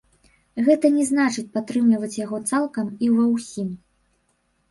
Гэта не значыць падтрымліваць яго цалкам і ва ўсім.